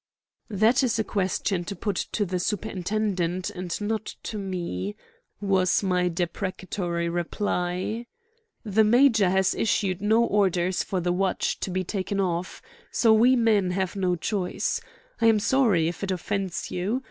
"That is a question to put to the superintendent and not to me," was my deprecatory reply. "The major has issued no orders for the watch to be taken off, so we men have no choice. I am sorry if it offends you.